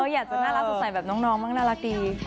เราอยากจะน่ารักสุดใส่แบบน้องมันก็น่ารักดี